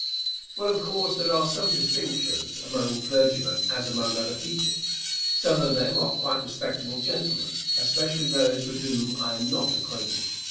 Answer. Well, of course there are the same distinctions among clergymen as among other people. Some of them are quite respectable gentlemen, especially those with whom I am not acquainted.